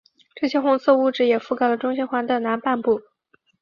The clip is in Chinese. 这些红色物质也覆盖了中心环的南半部。